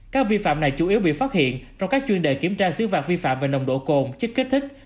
các vi phạm này chủ yếu bị phát hiện trong các chuyên đề kiểm tra xứ phạt vi phạm về nồng độ cồn chất kích thích